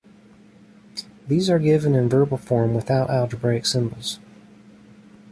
These are given in verbal form without algebraic symbols.